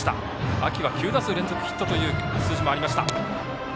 秋は９打数連続ヒットという数字がありました。